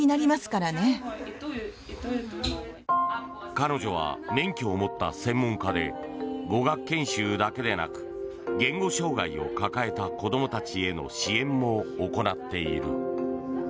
彼女は免許を持った専門家で語学研修だけでなく言語障害を抱えた子供たちへの支援も行っている。